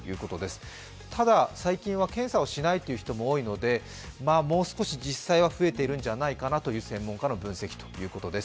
ただ、最近は検査をしないという人も多いので、もう少し実際は増えているのではないかという専門家の分析ということです。